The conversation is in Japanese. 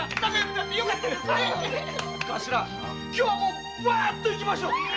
今日はパッといきましょう！